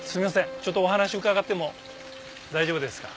ちょっとお話伺っても大丈夫ですか？